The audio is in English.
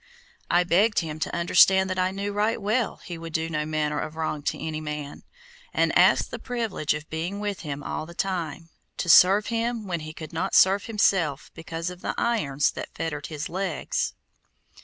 I begged him to understand that I knew right well he would do no manner of wrong to any man, and asked the privilege of being with him all the time, to serve him when he could not serve himself because of the irons that fettered his legs.